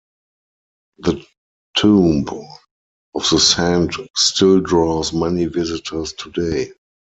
The tomb of the saint still draws many visitors today.